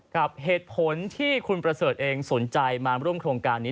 เหตุผลที่คุณประเสริฐเองสนใจมาร่วมโครงการนี้